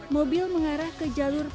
mobil mengarah ke jalur